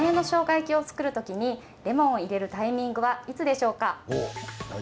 焼きを作るときに、レモンを入れるタイミングはいつでしょうか？